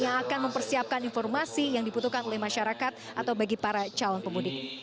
yang akan mempersiapkan informasi yang dibutuhkan oleh masyarakat atau bagi para calon pemudik